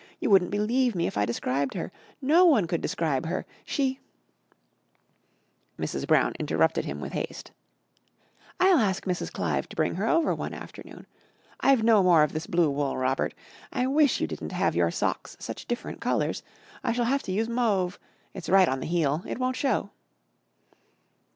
You wouldn't believe me if I described her. No one could describe her. She " Mrs. Brown interrupted him with haste. "I'll ask Mrs. Clive to bring her over one afternoon. I've no more of this blue wool, Robert. I wish you didn't have your socks such different colours. I shall have to use mauve. It's right on the heel; it won't show."